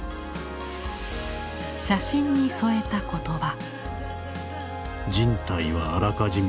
写真に添えた言葉。